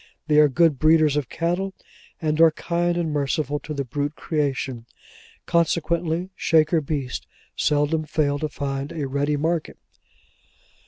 They are good breeders of cattle, and are kind and merciful to the brute creation. Consequently, Shaker beasts seldom fail to find a ready market.